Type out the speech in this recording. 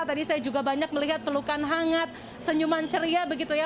tadi saya juga banyak melihat pelukan hangat senyuman ceria begitu ya